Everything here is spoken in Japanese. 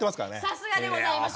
さすがでございます！